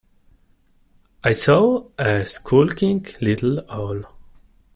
I saw a skulking little owl.